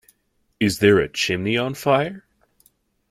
Is there a chimney on fire?